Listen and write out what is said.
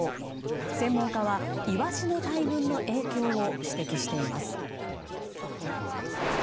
専門家はイワシの大群の影響を指摘しています。